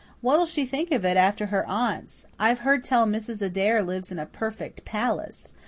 What'll she think of it after her aunt's? I've heard tell Mrs. Adair lives in a perfect palace.